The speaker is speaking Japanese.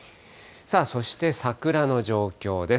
そして桜の状況です。